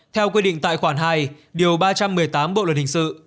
theo quy định tại khoản hai điều ba trăm một mươi tám bộ luật hình sự